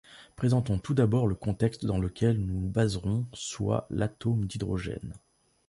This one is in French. Présentons tout d'abord le contexte dans lequel nous nous baserons, soit l'atome d'hydrogène.